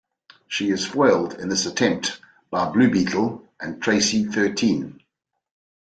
She is foiled in this attempt by Blue Beetle and Traci Thirteen.